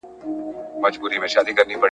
مرګه ستا په پسته غېږ کي له آرامه ګیله من یم ..